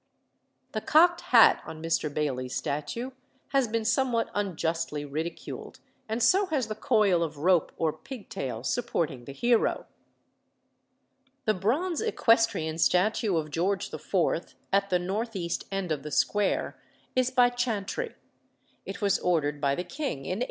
The cocked hat on Mr. Baily's statue has been somewhat unjustly ridiculed, and so has the coil of rope or pigtail supporting the hero. The bronze equestrian statue of George IV., at the north east end of the square, is by Chantrey. It was ordered by the king in 1829.